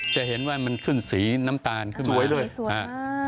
จะเห็นว่ามันขึ้นสีน้ำตาลขึ้นมาสวยด้วยสวยมาก